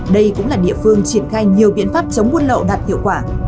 đây cũng là địa phương triển khai nhiều biện pháp chống buôn lậu đạt hiệu quả